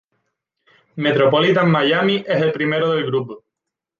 Metropolitan Miami es el primero del grupo.